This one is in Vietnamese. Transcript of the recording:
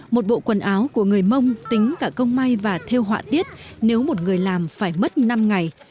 một bộ quần áo của người mông tính cả công may và theo họa tiết nếu một người làm phải mất năm ngày